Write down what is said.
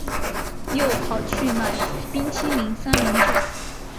又跑去买冰淇淋三明治